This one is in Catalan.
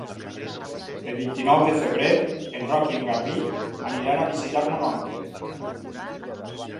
El vint-i-nou de febrer en Roc i en Garbí aniran a visitar mon oncle.